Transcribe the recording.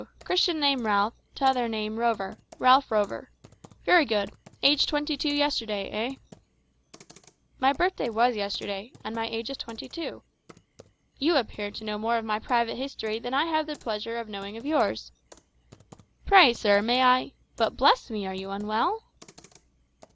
Christian name Ralph, t'other name Rover Ralph Rover. Very good. Age twenty two yesterday, eh?" "My birthday was yesterday, and my age is twenty two. You appear to know more of my private history than I have the pleasure of knowing of yours. Pray, sir, may I but, bless me! are you unwell?"